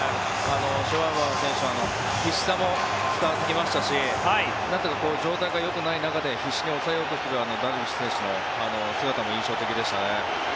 シュワバー選手の必死さも伝わってきましたし状態がよくない中で必死に抑えようとするダルビッシュ選手の姿も印象的でしたね。